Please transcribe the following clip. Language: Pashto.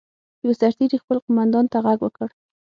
یوه سرتېري خپل قوماندان ته غږ وکړ.